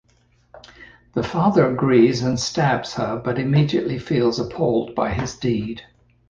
The father agrees and stabs her, but immediately feels appalled by his deed.